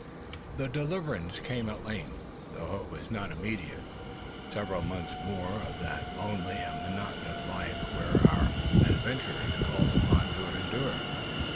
The deliverance came at length; though it was not immediate. Several months more, of that lonely and monotonous life, were our adventurers called upon to endure.